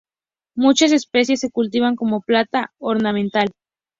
Muchas especies se cultivan como planta ornamental.